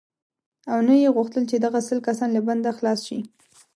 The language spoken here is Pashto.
او نه یې غوښتل چې دغه سل کسان له بنده خلاص شي.